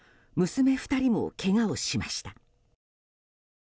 娘２人もけがをしました。